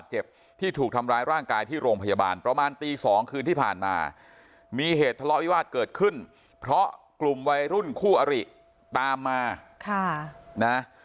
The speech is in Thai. เหตุการณ์ที่เกิดขึ้น